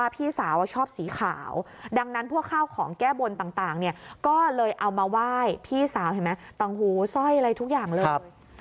ต่างหูสร้อยอะไรทุกอย่างเลย